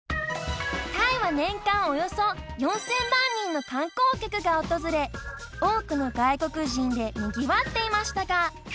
タイは年間およそ４０００万人の観光客が訪れ多くの外国人でにぎわっていましたが